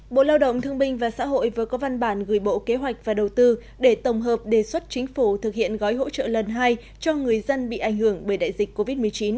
bộ lao động thương minh và xã hội vừa có văn bản gửi bộ kế hoạch và đầu tư để tổng hợp đề xuất chính phủ thực hiện gói hỗ trợ lần hai cho người dân bị ảnh hưởng bởi đại dịch covid một mươi chín